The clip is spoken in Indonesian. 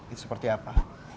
itu seperti apa